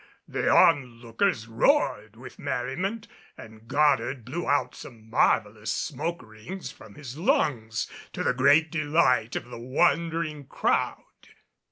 The on lookers roared with merriment, and Goddard blew out some marvelous smoke rings from his lungs, to the great delight of the wondering crowd.